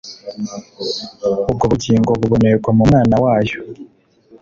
ubwo bugingo bubonerwa mu Mwana wayo.